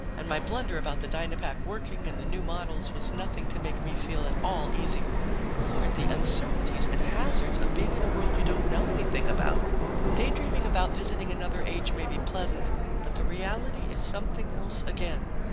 And my blunder about the Dynapack working and the new models was nothing to make me feel at all easier. Lord, the uncertainties and hazards of being in a world you don't know anything about! Daydreaming about visiting another age may be pleasant, but the reality is something else again.